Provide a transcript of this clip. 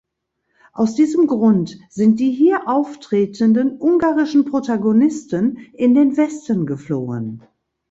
Aus diesem Grund sind die hier auftretenden ungarischen Protagonisten in den Westen geflohen.